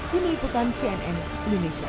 tim liputan cnn indonesia